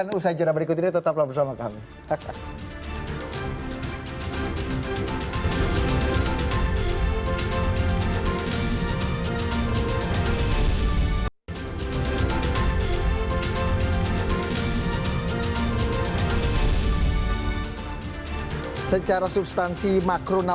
main bola peraturan berubah terus